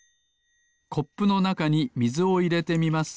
コップのなかにみずをいれてみます。